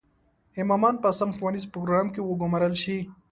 امامان په سم ښوونیز پروګرام کې وګومارل شي.